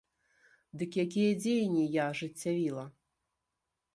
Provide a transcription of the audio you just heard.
Дык якія дзеянні я ажыццявіла?